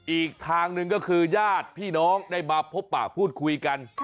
อีกทางหนึ่งก็คือญาติพี่น้องได้มาพบปะพูดคุยกัน